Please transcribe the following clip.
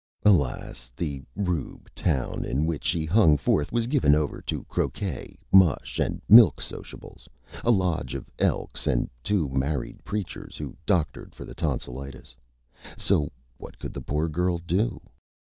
Alas, the Rube Town in which she Hung Forth was given over to Croquet, Mush and Milk Sociables, a lodge of Elks and two married Preachers who doctored for the Tonsilitis. So what could the Poor Girl do?